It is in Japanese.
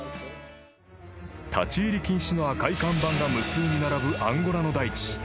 ［立ち入り禁止の赤い看板が無数に並ぶアンゴラの大地］